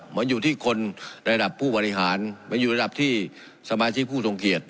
มันอยู่ที่คนระดับผู้บริหารมันอยู่ระดับที่สมาชิกผู้ทรงเกียจ